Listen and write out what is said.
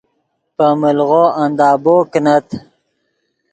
پے ملغو اندابو کینت